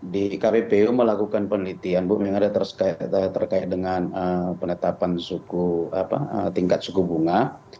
di kppu melakukan penelitian bu yang ada terkait dengan penetapan tingkat suku bunga